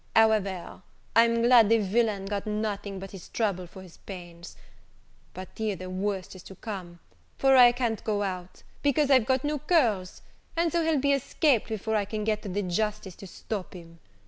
However, I'm glad the villain got nothing but his trouble for his pains. But here the worst is to come, for I can't go out, because I've got no curls, and so he'll be escaped before I can get to the justice to stop him.